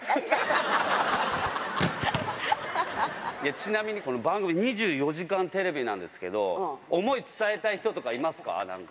ちなみに、この番組、２４時間テレビなんですけど、想い伝えたい人とかいますか？